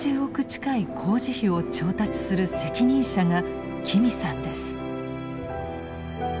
近い工事費を調達する責任者が紀美さんです。